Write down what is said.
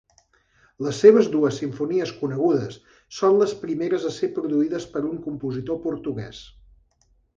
Les seves dues simfonies conegudes són les primeres a ser produïdes per un compositor portuguès.